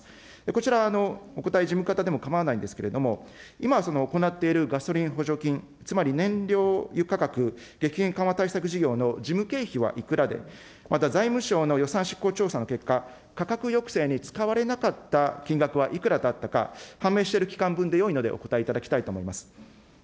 こちら、お答え、事務方でも構わないんですけれども、今行っているガソリン補助金、つまり燃料油価格激変緩和対策事業の事務経費はいくらで、また財務省の予算執行調査の結果、価格抑制に使われなかった金額はいくらだったか、判明している期間分でよいのでお答えいただきたいと思います。